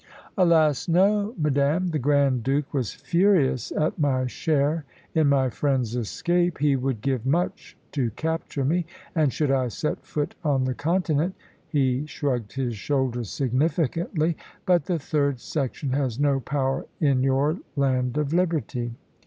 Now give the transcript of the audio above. "Alas, no, madame. The Grand Duke was furious at my share in my friend's escape. He would give much to capture me, and should I set foot on the Continent" he shrugged his shoulders significantly; "but the Third Section has no power in your land of liberty."